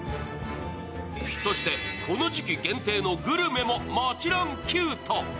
そしてこの時期限定のグルメももちろんキュート。